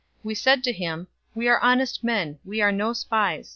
042:031 We said to him, 'We are honest men. We are no spies.